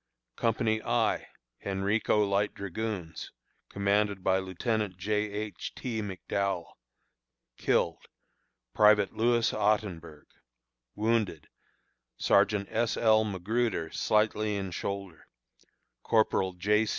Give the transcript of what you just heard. Company I (Henrico Light Dragoons), commanded by Lieutenant J. H. T. McDowell. Killed: Private Louis Ottenburg. Wounded: Sergeant S. L. McGruder, slightly in shoulder; Corporal J.